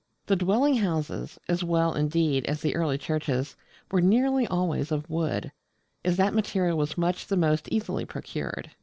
The dwelling houses, as well indeed as the early churches, were nearly always of wood, as that material was much the most easily procured.